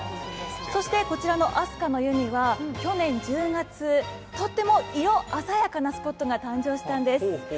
そして、こちらの飛鳥乃湯には、去年１０月、とっても色鮮やかなスポットが誕生したんです。